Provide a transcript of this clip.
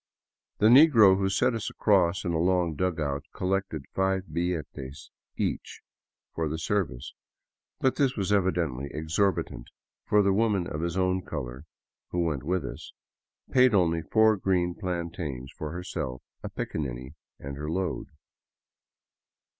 The negro who set us across in a long dugout collected five billetes each for the service, but this was evidently exorbitant, for the woman of his own color who went with us paid only four green plantains for herself, a piccanniny, and her load.